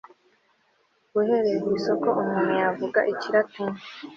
Uhereye ku isoko umuntu yavuga Ikilatini